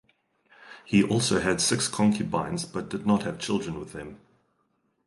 He also had six concubines but did not have children with them.